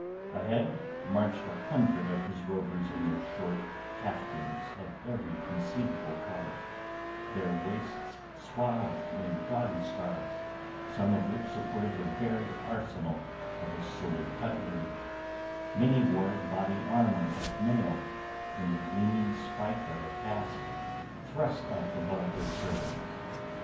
Ahead marched a hundred of his rovers in their short caftans of every conceivable colour, their waists swathed in gaudy scarves, some of which supported a very arsenal of assorted cutlery; many wore body armour of mail and the gleaming spike of a casque thrust up above their turbans.